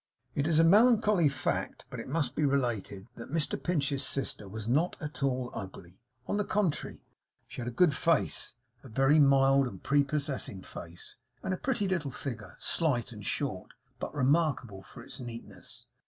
It is a melancholy fact; but it must be related, that Mr Pinch's sister was not at all ugly. On the contrary, she had a good face; a very mild and prepossessing face; and a pretty little figure slight and short, but remarkable for its neatness.